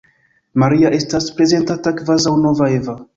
Maria estas prezentata kvazaŭ nova Eva.